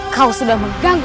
kau sudah mengganggu